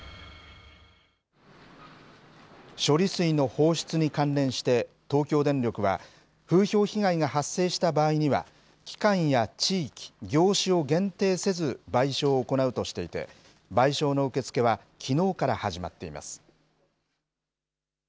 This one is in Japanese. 処理水の放出に関連して東京電力は、風評被害が発生した場合には、期間や地域、業種を限定せず、賠償を行うとしていて、賠償の受け付けは、きのうから始まっています。